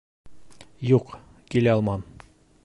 Юҡ, килә алмам.